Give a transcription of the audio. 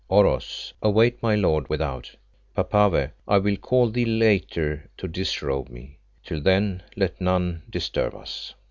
Oros, await my lord without. Papave, I will call thee later to disrobe me. Till then let none disturb us."